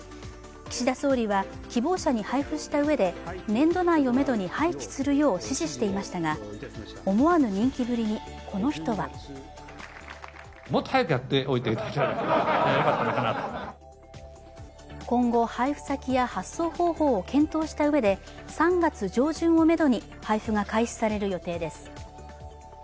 岸田総理は希望者に配布した上で年度内をめどに廃棄するよう指示していましたが思わぬ人気ぶりに、この人は今後、配布先や発送方法を検討した上で３月上旬をめどに配布が開始される予定です。